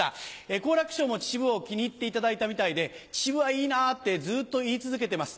好楽師匠も秩父を気に入っていただいたみたいで「秩父はいいな」ってずっと言い続けてます。